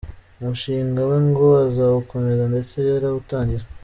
Umushinga we ngo azawukomeza ndetse yarawutangiye